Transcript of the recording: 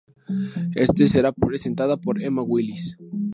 Este será presentada por Emma Willis.